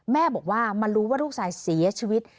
แม่บอกว่ามารู้ว่าลูกชายเสียชีวิต